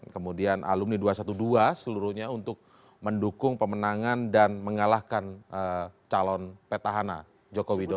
kemudian alumni dua ratus dua belas seluruhnya untuk mendukung pemenangan dan mengalahkan calon petahana joko widodo